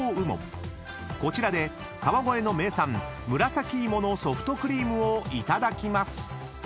［こちらで川越の名産むらさきいものソフトクリームをいただきます］